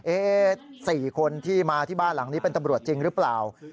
๔คนที่มาที่บ้านหลังนี้เป็นตำรวจจริงหรือเปล่า